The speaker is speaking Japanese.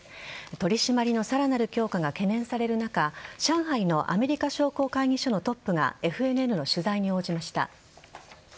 取り締まりのさらなる強化が懸念される中上海のアメリカ商工会議所のトップがＦＮＮの取材に応じました。